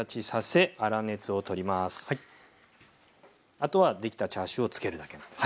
あとはできたチャーシューをつけるだけなんです。